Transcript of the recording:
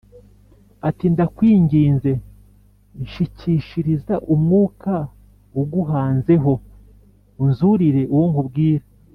ati “ndakwinginze, nshikishiriza umwuka uguhanzeho unzurire uwo nkubwira”